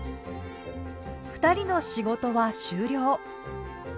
２人の仕事は終了。